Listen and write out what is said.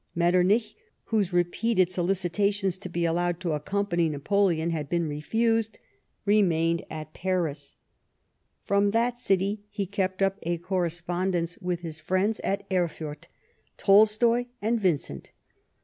Metternich, whose repeated solicitation to be allowed to accompany Napoleon had been refused, remained at Paris. From that city he kept up a correspondence with his friends at 32 LIFE OF PBINCE METTERNICR. Erfurt, Tolstoy and Vincent.